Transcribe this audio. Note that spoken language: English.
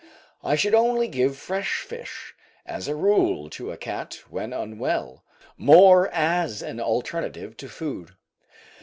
I should only give fresh fish, as a rule, to a cat when unwell, more as an alternative than food.